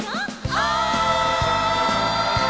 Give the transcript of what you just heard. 「おい！」